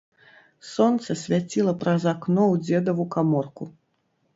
Сонца свяціла праз акно ў дзедаву каморку.